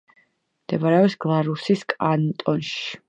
მდებარეობს გლარუსის კანტონში.